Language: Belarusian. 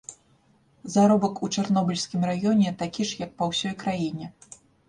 Заробак у чарнобыльскім раёне такі ж, як па ўсёй краіне.